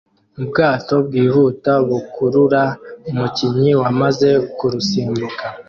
Ubwato bwihuta bukurura umukinnyi wamazi kurusimbuka